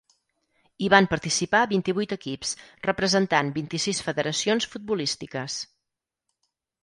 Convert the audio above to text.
Hi van participar vint-i-vuit equips, representant vint-i-sis federacions futbolístiques.